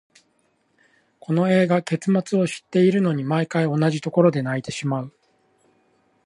この映画、結末を知っているのに、毎回同じところで泣いてしまう。